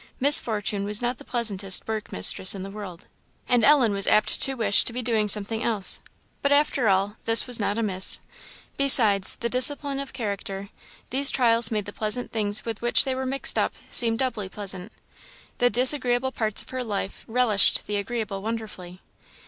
Miss Fortune was not the pleasantest work mistress in the world, and Ellen was apt to wish to be doing something else; but, after all, this was not amiss. Besides, the discipline of character, these trials made the pleasant things with which they were mixed up seem doubly pleasant the disagreeable parts of her life relished the agreeable wonderfully.